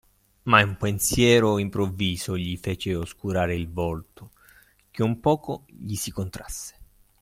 Ma un pensiero improvviso gli fece oscurare il volto, che un poco gli si contrasse.